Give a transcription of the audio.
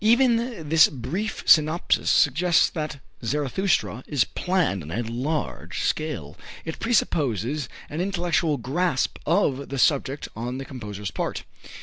Even this brief synopsis suggests that "Zarathustra" is planned on a large scale. It presupposes an intellectual grasp of the subject on the composer's part.